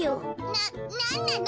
ななんなの！？